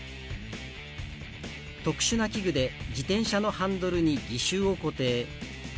特殊な器具で自転車のハンドルに義手を固定。